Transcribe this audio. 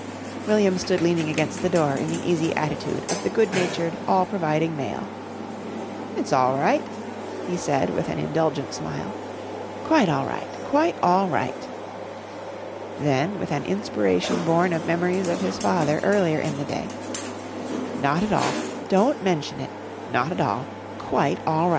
William stood leaning against the door in the easy attitude of the good natured, all providing male. "It's all right," he said with an indulgent smile. "Quite all right. Quite all right." Then, with an inspiration born of memories of his father earlier in the day. "Not at all. Don't menshun it. Not at all. Quite all right." [Illustration: "MONEY DON'T MATTER," SAID WILLIAM.